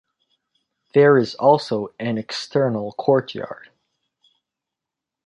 There is also an external courtyard.